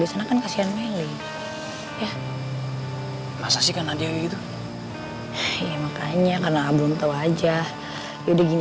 di sana kan kasihan meli ya masa sih karena dia gitu ya makanya karena abang tau aja yaudah gini